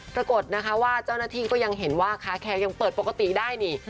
ปรากฏนะคะว่าเจ้าหน้าที่ก็ยังเห็นว่าคาแคร์ยังเปิดปกติได้นี่